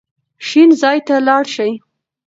شین ځای ته لاړ شئ.